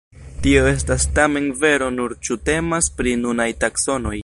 Tio estas tamen vero nur ĉu temas pri nunaj taksonoj.